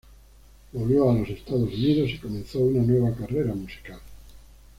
Volvió a los Estados Unidos y comenzó una nueva carrera musical.